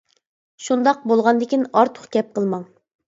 — شۇنداق بولغاندىكىن ئارتۇق گەپ قىلماڭ.